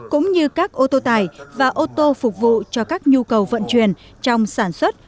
cũng như các ô tô tải và ô tô phục vụ cho các nhu cầu vận chuyển trong sản xuất